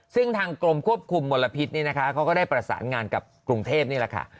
ซึ่งทางกรมควบคุมมลพิษนี่นะคะเขาก็ได้ประสานงานกับกรุงเทพนี่แหละค่ะ